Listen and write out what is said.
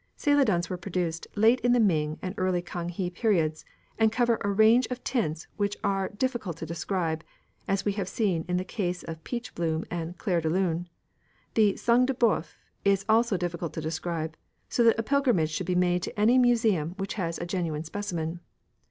Celadons were produced late in the Ming and early Kang he periods, and cover a range of tints which are difficult to describe, as we have seen in the case of peach bloom and "clair de lune." The "sang de b┼ōuf" is also difficult to describe, so that a pilgrimage should be made to any Museum which has a genuine specimen.